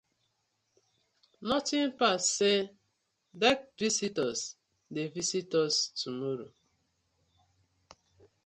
Notin pass say dek visitors dey visit us tomorrow,